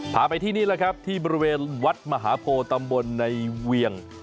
พาไปที่นี่แหละครับที่บริเวณวัดมหาโพตำบลในเวียง